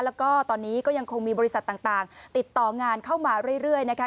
แล้วก็ตอนนี้ก็ยังคงมีบริษัทต่างติดต่องานเข้ามาเรื่อยนะคะ